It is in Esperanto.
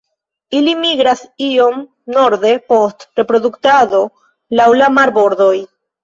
Ili migras iom norde post reproduktado laŭ la marbordoj.